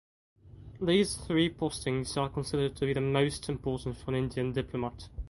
These three postings are considered to be the most important for an Indian diplomat.